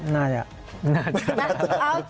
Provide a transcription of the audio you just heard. น่าจะ